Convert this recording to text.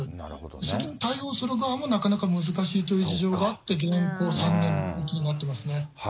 それに対応する側もなかなか難しいという事情があって、現行、３年ということになってますね。